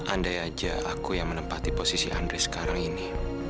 andai aja aku yang menempati posisi andri sekarang ini